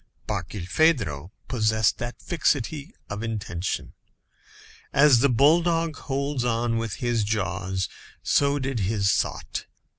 Barkilphedro possessed that fixity of intention. As the bulldog holds on with his jaws, so did his thought.